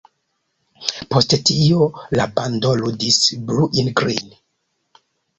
Post tio la bando ludis „Blue in Green”.